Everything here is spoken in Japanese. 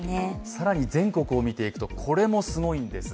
更に全国を見ていくとこれもすごいんです。